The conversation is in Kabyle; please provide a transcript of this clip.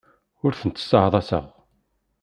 Ur tent-sseɛḍaseɣ.